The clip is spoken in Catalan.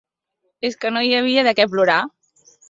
Es que no hi havia de què plorar.